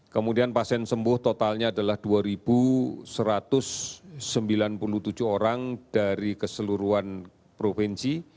kemudian pasien sembuh totalnya adalah dua satu ratus sembilan puluh tujuh orang dari keseluruhan provinsi